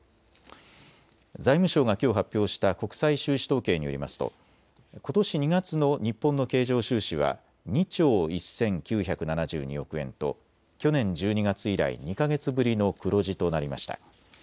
財務省がきょう発表した国際収支統計によりますとことし２月の日本の経常収支は２兆１９７２億円と去年１２月以来２か月ぶりの黒字となりました。